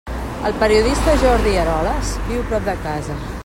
El periodista Jordi Eroles viu prop de casa.